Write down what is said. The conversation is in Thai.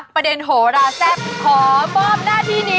ประเด็นโหลาแซปขอมอบหน้าทีนี้